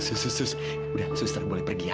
sus sus sus udah sus nanti boleh pergi ya